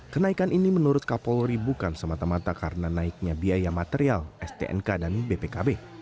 kenaikan ini menurut kapolri bukan semata mata karena naiknya biaya material stnk dan bpkb